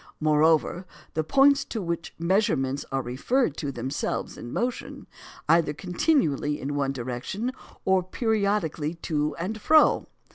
Moreover, the points to which measurements are referred are themselves in motion, either continually in one direction, or periodically to and fro.